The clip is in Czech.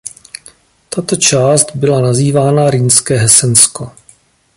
Tato část byla nazývána Rýnské Hesensko.